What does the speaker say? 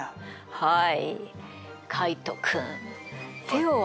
はい。